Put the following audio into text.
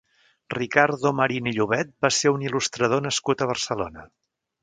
Ricardo Marín i Llovet va ser un il·lustrador nascut a Barcelona.